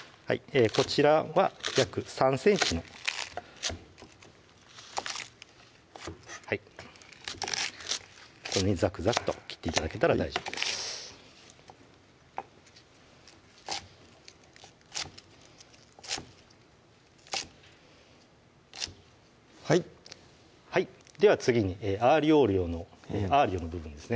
こちらは約３ｃｍのはいこのようにザクザクと切って頂けたら大丈夫ですはいでは次に「アーリオ・オーリオ」の「アーリオ」の部分ですね